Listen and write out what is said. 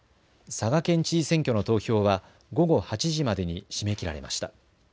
佐賀県知事選挙の投票は午後８時までに締め切られました。